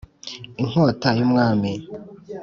Inkota y’umwami.